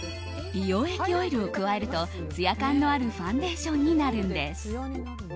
美容液オイルを加えるとつや感のあるファンデーションになるんです。